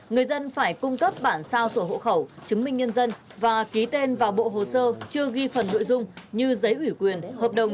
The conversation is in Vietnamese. người dân phải cung cấp bản sao sổ hộ khẩu chứng minh nhân dân